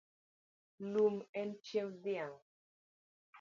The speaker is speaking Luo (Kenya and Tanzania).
Lum en chiemb dhiang’